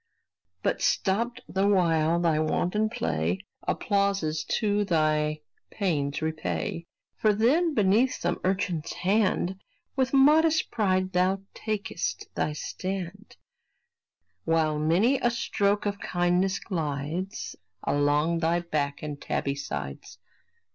But, stopped the while thy wanton play, Applauses too thy pains repay: For then, beneath some urchin's hand With modest pride thou takest thy stand, While many a stroke of kindness glides Along thy back and tabby sides.